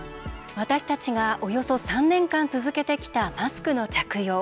私たちが、およそ３年間続けてきたマスクの着用。